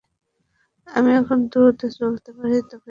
আমি এখন দ্রুত চলতে পারি, তবে এখনও কিচ্ছু দেখতে পাই না।